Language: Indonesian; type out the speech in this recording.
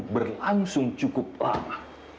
berlangsung cukup lama